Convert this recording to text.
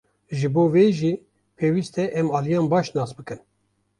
Ji bo vê jî pêwîst e em aliyan baş nas bikin.